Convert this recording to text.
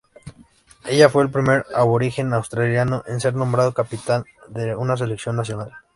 Ella fue el primer aborigen australiano en ser nombrado capitán de un seleccionado nacional.